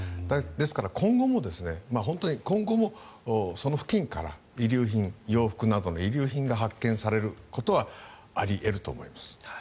ですから、今後もその付近から洋服などの遺留品が発見されることはあり得ると思います。